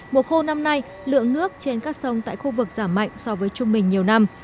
mùa khô năm nay lượng nước trên các sông tại khu vực giảm mạnh so với trung bình nhiều năm